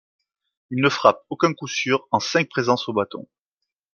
Il ne frappe aucun coup sûr en cinq présences au bâton.